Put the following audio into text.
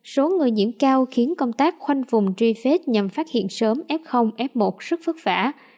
số người diễn cao khiến công tác khoanh vùng tri phết nhằm phát hiện sớm f f một rất phức phả